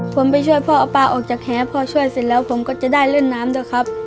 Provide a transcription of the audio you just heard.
ผมไปช่วยพ่อเอาปลาออกจากแหพ่อช่วยเสร็จแล้วผมก็จะได้เล่นน้ำด้วยครับ